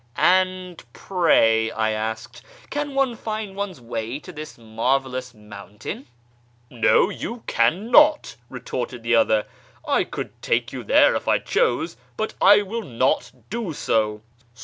•'And pray," I asked, "can one find one's way to this marvellous mountain ?"" No, you cannot," retorted the other ;" I could take you there if I chose, but I will not do so.